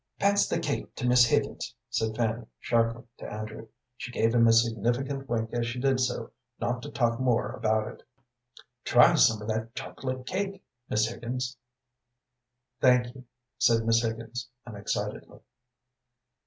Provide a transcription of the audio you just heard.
"Pass the cake to Miss Higgins," said Fanny, sharply, to Andrew. She gave him a significant wink as she did so, not to talk more about it. "Try some of that chocolate cake, Miss Higgins." "Thank you," said Miss Higgins, unexcitedly.